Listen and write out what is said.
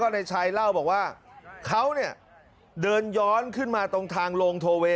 นายชัยเล่าบอกว่าเขาเนี่ยเดินย้อนขึ้นมาตรงทางโลงโทเว